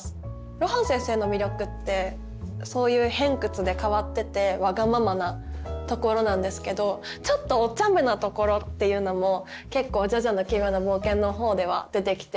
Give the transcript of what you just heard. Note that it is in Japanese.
露伴先生の魅力ってそういう偏屈で変わっててわがままなところなんですけどちょっとおちゃめなところっていうのも結構「ジョジョの奇妙な冒険」の方では出てきて。